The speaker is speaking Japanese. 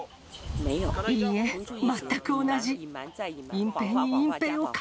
いいえ、全く同じ。